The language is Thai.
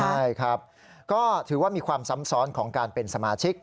ใช่ครับก็ถือว่ามีความซ้ำซ้อนของการเป็นสมาชิก